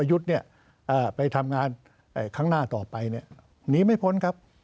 เวียกไปทำงานของหน้าต่อไปน่ะหนีไม่พ้นครับ